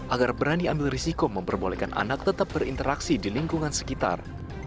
agar berani ambil risiko memperbolehkan anak tetap berinteraksi di lingkungan sekitar